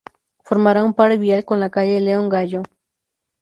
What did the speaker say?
Formará un par vial con la calle León Gallo.